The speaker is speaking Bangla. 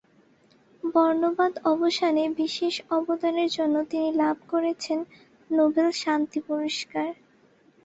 বর্ণবাদ অবসানে বিশেষ অবদানের জন্য তিনি লাভ করেছেন নোবেল শান্তি পুরস্কার।